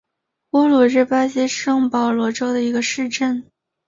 乌鲁是巴西圣保罗州的一个市镇。